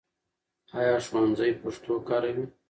ایا ښوونځی پښتو کاروي؟